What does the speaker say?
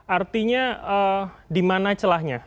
artinya di mana celahnya